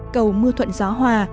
cầu mưa thuận gió hòa